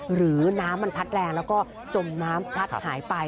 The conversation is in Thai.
หรือน้ำมันพัดแรงแล้วก็จมน้ำพลัดหายไป